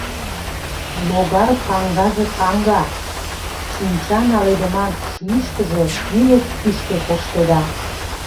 Логар паҥгаже каҥга, чӱнча наледыман шӱйыштыжӧ ӱлык-кӱшкӧ коштеда.